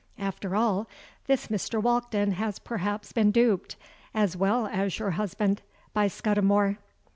After all, this Mr. Walkden has perhaps been duped, as well as your husband, by Scudimore.'